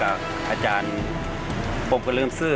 ภารกิจสรรค์ภารกิจสรรค์